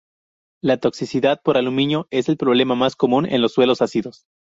La toxicidad por aluminio es el problema más común en los suelos ácidos.